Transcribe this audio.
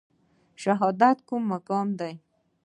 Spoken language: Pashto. شهادت کوم مقام دی؟